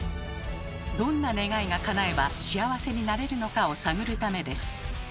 どんな願いがかなえば幸せになれるのかを探るためです。